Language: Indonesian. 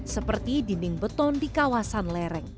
seperti dinding beton di kawasan lereng